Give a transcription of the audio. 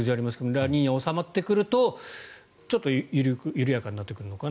ラニーニャは収まってくるとちょっと緩やかになってくるのかなと。